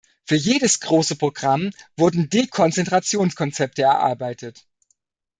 Für jedes große Programm wurden Dekonzentrationskonzepte erarbeitet.